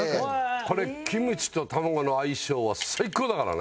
これキムチと卵の相性は最高だからね。